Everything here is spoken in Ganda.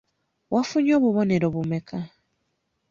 Wafunye obubonero bumeka?